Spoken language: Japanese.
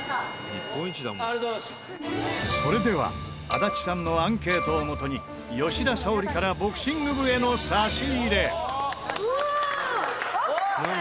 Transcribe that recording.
それでは安達さんのアンケートをもとに吉田沙保里からボクシング部への差し入れ。